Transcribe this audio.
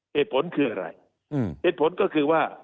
เหตุผลคืออะไรเหตุผลก็คือว่า